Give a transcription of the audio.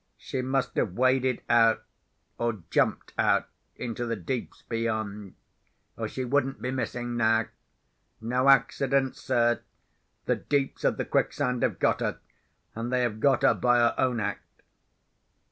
She must have waded out, or jumped out, into the Deeps beyond—or she wouldn't be missing now. No accident, sir! The Deeps of the Quicksand have got her. And they have got her by her own act."